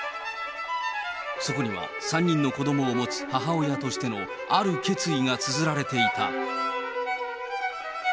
そこには３人の子どもを持つ母親としてのある決意がつづられていた。